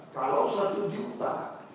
kalau satu juta